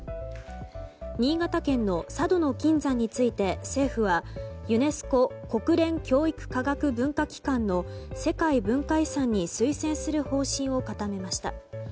新潟県の佐渡島の金山について政府はユネスコ・国連教育科学文化機関の世界文化遺産に推薦する方針を固めました。